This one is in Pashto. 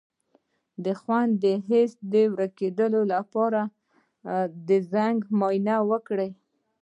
د خوند د حس د ورکیدو لپاره د زنک معاینه وکړئ